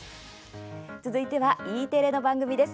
続いては、Ｅテレの番組です。